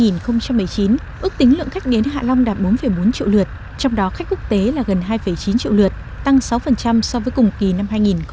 năm hai nghìn một mươi chín ước tính lượng khách đến hạ long đạt bốn bốn triệu lượt trong đó khách quốc tế là gần hai chín triệu lượt tăng sáu so với cùng kỳ năm hai nghìn một mươi tám